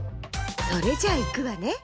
それじゃあいくわね。